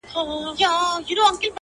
كړۍ .كـړۍ لكه ځنځير ويـده دی.